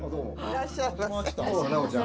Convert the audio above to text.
いらっしゃいませ。